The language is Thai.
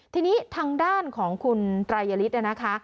ทีนี้ทางด้านของคุณตรายยลิตนะคะ